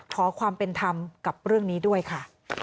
ขอความเป็นธรรมกับเรื่องนี้ด้วยค่ะ